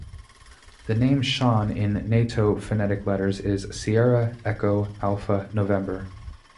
The name Sean in Nato phonetic letters is Sierra, Echo, Alfa, November.